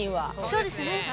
そうですね。